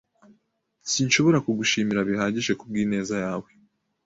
Sinshobora kugushimira bihagije kubwineza yawe.